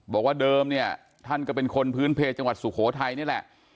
บอกว่าเดิมเนี่ยท่านก็เป็นคนพื้นเพจังหวัดสุโขทัยนี่แหละ